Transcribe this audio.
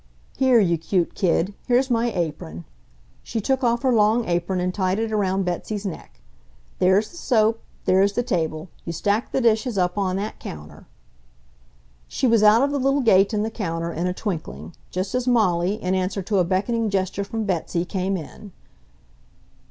Here, you cute kid, here's my apron." She took off her long apron and tied it around Betsy's neck. "There's the soap, there's the table. You stack the dishes up on that counter." She was out of the little gate in the counter in a twinkling, just as Molly, in answer to a beckoning gesture from Betsy, came in.